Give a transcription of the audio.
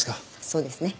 そうですね。